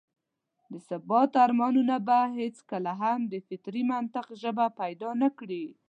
د ثبات ارمانونه به هېڅکله هم د فطري منطق ژبه پيدا نه کړي.